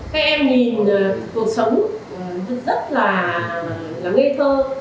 các em nhìn cuộc sống rất là ngây thơ